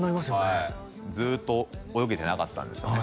はいずっと泳げてなかったんですよね